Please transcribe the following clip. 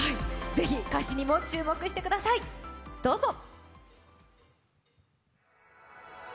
ぜひ歌詞にも注目してください、どうぞ！